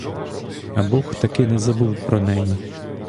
А бог таки не забув про неї.